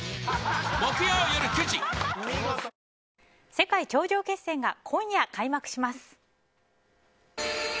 世界頂上決戦が今夜、開幕します。